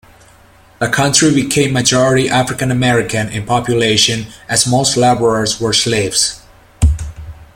The county became majority African American in population, as most laborers were slaves.